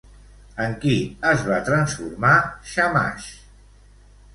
En qui es va transformar Shamash?